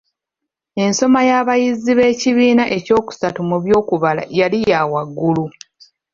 Ensoma y'abayizi b’ekibiina ekyokusattu mu by’okubala yali yawaggulu.